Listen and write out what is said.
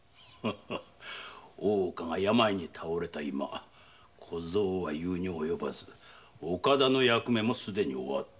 大岡が病に倒れた今小僧は言うに及ばず岡田の役目もすでに終わった。